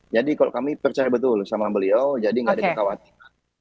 jadi kalau kami percaya betul sama beliau jadi nggak ada kekhawatiran